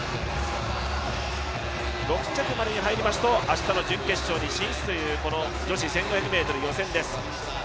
６着までに入りますと、明日の準決勝に進出というこの女子１５００ｍ予選です。